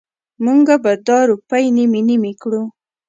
مونږ به دا روپۍ نیمې نیمې کړو.